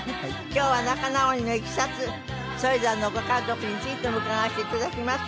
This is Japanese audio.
今日は仲直りのいきさつそれぞれのご家族についても伺わせていただきます。